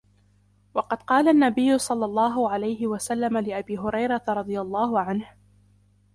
وَقَدْ قَالَ النَّبِيُّ صَلَّى اللَّهُ عَلَيْهِ وَسَلَّمَ لِأَبِي هُرَيْرَةَ رَضِيَ اللَّهُ عَنْهُ